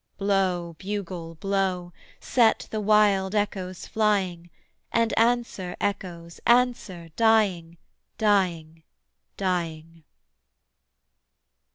Blow, bugle, blow, set the wild echoes flying, And answer, echoes, answer, dying, dying, dying.